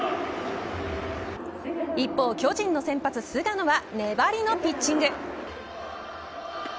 一方、巨人の先発菅野は粘りのピッチング。